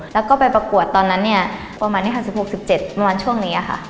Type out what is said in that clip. แล้วก็ไปประกวดตอนนั้นเนี่ยประมาณนี้ค่ะ๑๖๑๗ประมาณช่วงนี้ค่ะ